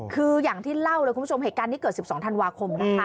คืออย่างที่เล่าเลยคุณผู้ชมเหตุการณ์นี้เกิด๑๒ธันวาคมนะคะ